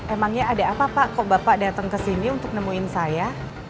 emangnya ada apa pak kok bapak datang ke sini untuk nemuin saya